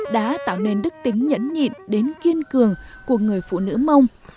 đã tạo nên đức tính nhẫn nhịn đến kiên cường của người phụ nữ mông